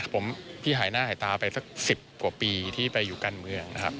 ผมพี่หายหน้าหายตาไปสัก๑๐กว่าปีที่ไปอยู่การเมืองนะครับ